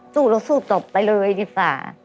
สู้แล้วสู้จบไปเลยดิส่า